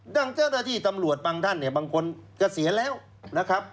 ดังเจ้าหน้าที่ตำรวจบางท่านบางคนก็เสียแล้วนะครับ